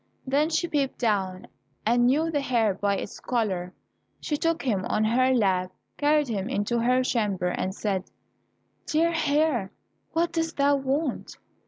Then she peeped down, and knew the hare by its collar. She took him on her lap, carried him into her chamber, and said, "Dear Hare, what dost thou want?"